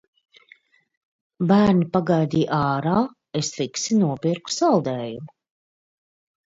Bērni pagaidīja ārā, es fiksi nopirku saldējumu.